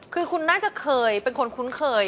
คือคุณน่าจะเคยเป็นคนคุ้นเคย